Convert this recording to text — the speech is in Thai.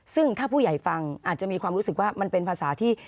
ซึ่งถ้าผู้ใหญ่ฟังอาจจะมีความรู้สึกว่ามันเป็นภาษาที่